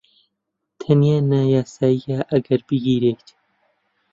تەنیا نایاساییە ئەگەر بگیرێیت.